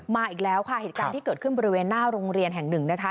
อีกแล้วค่ะเหตุการณ์ที่เกิดขึ้นบริเวณหน้าโรงเรียนแห่งหนึ่งนะคะ